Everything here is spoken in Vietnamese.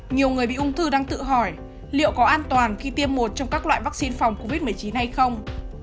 nhiều người bị ung thư đang tự hỏi liệu có an toàn khi tiêm một trong các loại vaccine phòng covid một mươi chín hay không